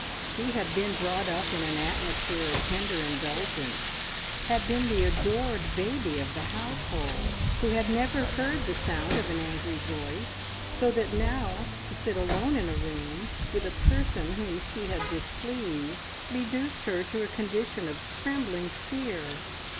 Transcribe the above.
She had been brought up in an atmosphere of tender indulgence, had been the adored baby of the household, who had never heard the sound of an angry voice, so that now, to sit alone in a room with a person whom she had displeased, reduced her to a condition of trembling fear.